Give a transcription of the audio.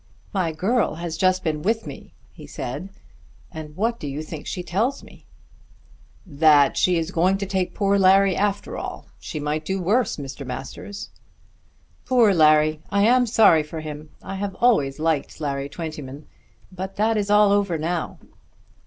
"My girl has just been with me," he said, "and what do you think she tells me?" "That she is going to take poor Larry after all. She might do worse, Mr. Masters." "Poor Larry! I am sorry for him. I have always liked Larry Twentyman. But that is all over now."